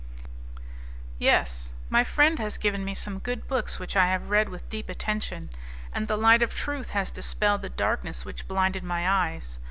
"Yes. My friend has given me some good books which I have read with deep attention, and the light of truth has dispelled the darkness which blinded my eyes.